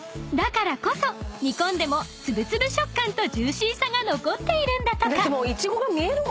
［だからこそ煮込んでも粒々食感とジューシーさが残っているんだとか］